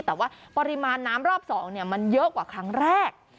แต่ว่าปริมาณน้ำรอบ๒มันเยอะกว่าครั้งแรก